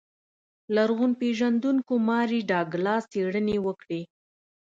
لرغون پېژندونکو ماري ډاګلاس څېړنې وکړې.